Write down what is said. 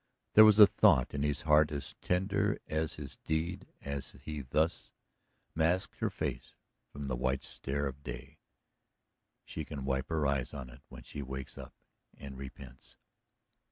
There was a thought in his heart as tender as his deed as he thus masked her face from the white stare of day: "_She can wipe her eyes on it when she wakes up and repents.